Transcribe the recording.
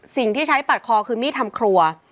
สิ่งที่ใช้ปัดคอคือมีดทำครัว